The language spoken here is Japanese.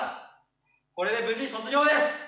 これで無事卒業です！